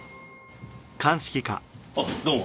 あっどうも。